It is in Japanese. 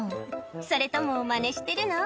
それともマネしてるの？